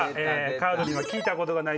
カードには聞いたことがない